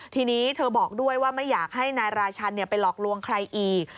ทีนี้เธอบอกด้วยว่าไม่อยากให้นายราชันไปหลอกลวงใครอีก